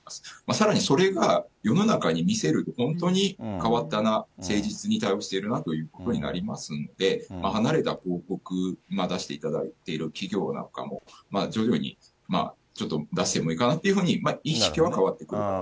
さらにそれが、世の中に見せる、本当に変わったな、誠実に対応しているなということになりますので、離れた広告、今出していただいている企業なんかも、徐々に、ちょっと出してもいいかなっていうふうに、意識は変わってくるかなと。